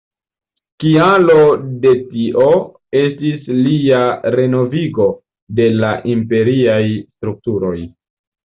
Kialo de tio estis lia renovigo de la imperiaj strukturoj.